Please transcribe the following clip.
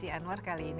ini pak jack